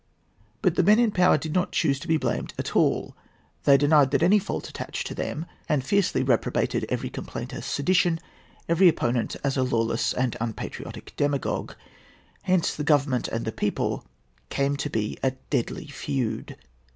But the men in power did not choose to be blamed at all; they denied that any fault attached to them, and fiercely reprobated every complaint as sedition, every opponent as a lawless and unpatriotic demagogue. Hence the Government and the people came to be at deadly feud.